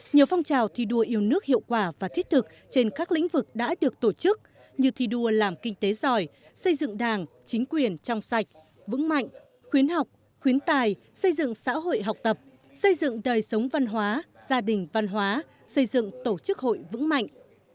nhiều phong trào thi đua yêu nước hiệu quả và thiết thực trên các lĩnh vực đã được tổ chức như thi đua làm kinh tế giỏi xây dựng đảng chính quyền trong sạch vững mạnh khuyến học khuyến tài xây dựng xã hội học tập xây dựng đời sống văn hóa gia đình văn hóa xây dựng tổ chức hội vững mạnh